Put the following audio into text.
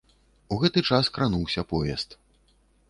У гэты час крануўся поезд.